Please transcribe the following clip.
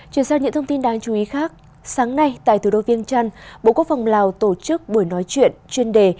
chuyển sang những thông tin đáng chú ý khác sáng nay tại thủ đô viên trăn bộ quốc phòng lào tổ chức buổi nói chuyện chuyên đề